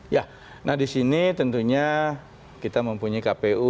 ya nah di sini tentunya kita mempunyai kpu